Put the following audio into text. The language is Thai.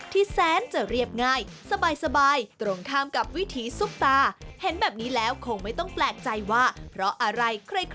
ที่แซนจะเรียบง่ายสบายตรงข้ามกับวิธีซุปตา